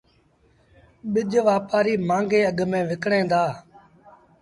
ٻج وآپآريٚ مآݩگي اگھ ميݩ وڪڻيٚن دآ